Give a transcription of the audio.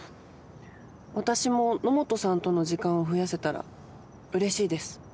私も野本さんとの時間を増やせたらうれしいです。